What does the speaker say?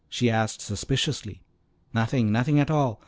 she asked suspiciously. "Nothing, nothing at all.